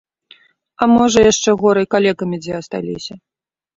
А можа, яшчэ горай, калекамі дзе асталіся!